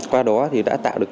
qua đó đã tạo được